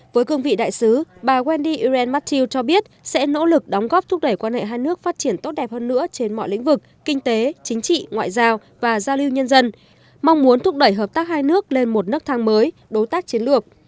với cương vị đại sứ bà wendy aren matthew cho biết sẽ nỗ lực đóng góp thúc đẩy quan hệ hai nước phát triển tốt đẹp hơn nữa trên mọi lĩnh vực kinh tế chính trị ngoại giao và giao lưu nhân dân mong muốn thúc đẩy hợp tác hai nước lên một nước thang mới đối tác chiến lược